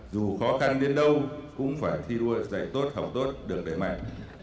dù khó khăn đến đâu cũng phải thi đua giải tốt học tốt được đẩy mạnh